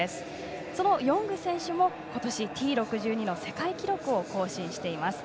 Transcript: そのヨング選手も今年、Ｔ６２の世界記録を更新しています。